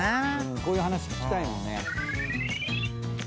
こういう話聞きたいもんね。